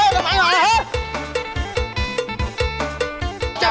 สวัสดีค่ะ